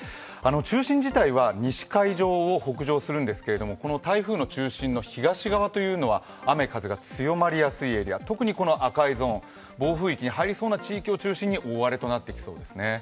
中心自体は西海上を北上するんですけどこの台風の中心の東側は雨風が強まりやすいエリア、特にこの赤いゾーン、暴風域に入りそうな地域を中心に大荒れとなってきそうですね。